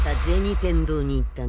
天堂に行ったね？